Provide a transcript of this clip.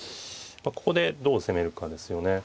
ここでどう攻めるかですよね。